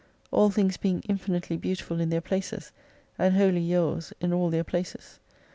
All things being infinitely beautiful in their places, and wholly yours in all their places.